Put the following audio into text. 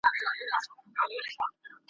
حتی غزل، چي هر بیت یې، ,